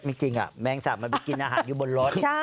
ไม่จริงอ่ะแมลงสาปมันไปกินอาหารอยู่บนรถ